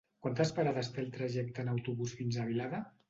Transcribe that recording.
Quantes parades té el trajecte en autobús fins a Vilada?